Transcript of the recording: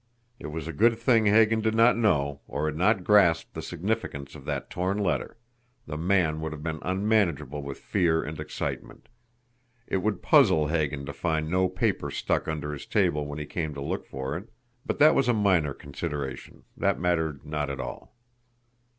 It was a good thing Hagan did not know, or had not grasped the significance of that torn letter the man would have been unmanageable with fear and excitement. It would puzzle Hagan to find no paper stuck under his table when he came to look for it! But that was a minor consideration, that mattered not at all.